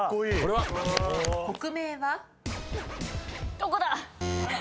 どこだ？